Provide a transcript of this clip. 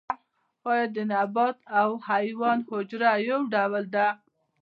ایا د نبات او حیوان حجره یو ډول ده